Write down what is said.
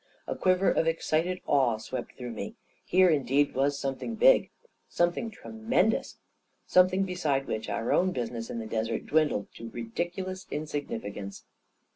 A quiver of excited awe swept through me. Here indeed was something big — something tremendous — something beside which our own business in the desert dwindled to ridiculous insignificance.